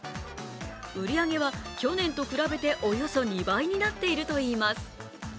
売り上げは去年と比べておよそ２倍になっているといいます。